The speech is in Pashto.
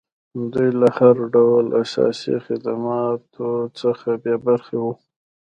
دوی له هر ډول اساسي خدماتو څخه بې برخې وو.